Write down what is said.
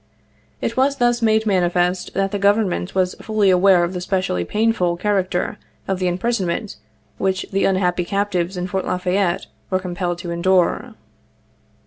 It was thus made manifest that the Government was fully aware of the specially painful character of the imprisonment which the unhappy captives in Fort La Fayette were compelled to endure.